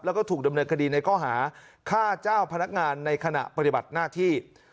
แล้วก็ถูกดำเนินคดีในข้อหาฆ่าเจ้าพนักงานในขณะปฏิบัติหน้าที่